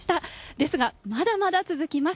ですが、まだまだ続きます。